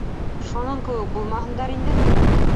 Шуның кеүек булмаһындар инде.